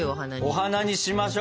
お花にしましょう！